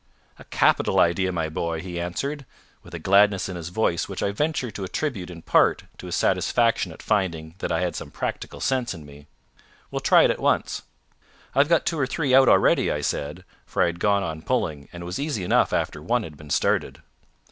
"A capital idea, my boy!" he answered, with a gladness in his voice which I venture to attribute in part to his satisfaction at finding that I had some practical sense in me. "We'll try it at once." "I've got two or three out already," I said, for I had gone on pulling, and it was easy enough after one had been started.